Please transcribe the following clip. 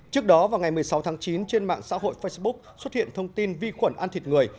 trước đó vào ngày một mươi sáu tháng chín trên mạng xã hội facebook xuất hiện thông tin vi khuẩn ăn thịt người